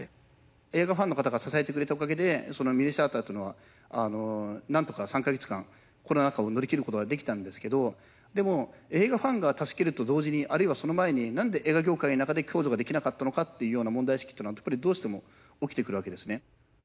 映画ファンの方が支えてくれたおかげでミニシアターっていうのはなんとか３カ月間コロナ禍を乗り切ることができたんですけどでも映画ファンが助けると同時にあるいはその前になんで映画業界の中で「共助」ができなかったのかっていうような問題意識っていうのはやっぱりどうしても起きてくるわけですね。